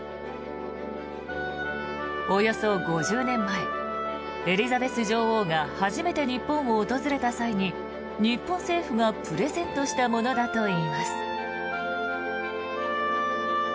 およそ５０年前エリザベス女王が初めて日本を訪れた際に日本政府がプレゼントしたものだといいます。